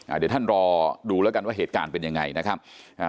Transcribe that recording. เดี๋ยวท่านรอดูแล้วกันว่าเหตุการณ์เป็นยังไงนะครับอ่า